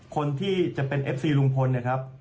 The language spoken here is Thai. คนที่จะเป็นเอฟซีลุงพลเนี่ยครับ